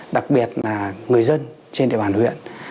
đặc biệt là người dân trên địa bàn huyện